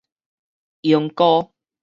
鶯歌